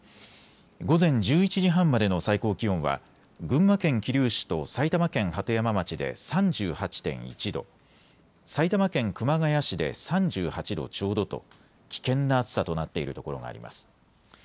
午前１１時半までの最高気温は群馬県桐生市と埼玉県鳩山町で３８．１度、埼玉県熊谷市で３８度ちょうどと危険な暑さとなっている所があります。